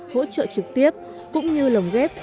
hỗ trợ trực tiếp cũng như lồng ghép